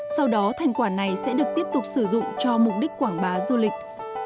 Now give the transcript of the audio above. sau đó thành quả này sẽ được tiếp tục sử dụng cho mục đích quảng bá du lịch